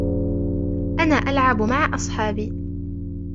أنا العب مع أصحابي.